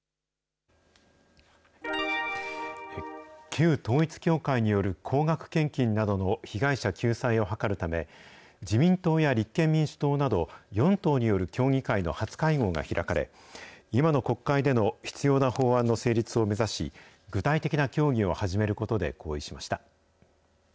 旧統一教会による高額献金などの被害者救済を図るため、自民党や立憲民主党など、４党による協議会の初会合が開かれ、今の国会での必要な法案の成立を目指し、具体的な協議を始めることで合意しました。